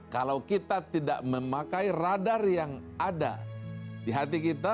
kalau kita tidak memakai radar yang ada di hati kita